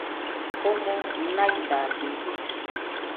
komo naidabide